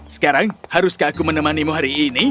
sekarang haruskah aku menemanimu hari ini